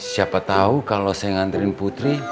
siapa tau kalau saya ngantriin putri